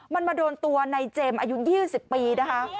มันมาโดนตัวในเจมส์อายุ๒๐ปีนะคะ